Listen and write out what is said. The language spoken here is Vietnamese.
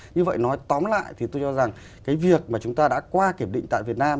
như vậy nói tóm lại thì tôi cho rằng cái việc mà chúng ta đã qua kiểm định tại việt nam